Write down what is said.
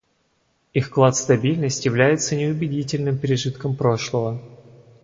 Их вклад в стабильность является неубедительным пережитком прошлого.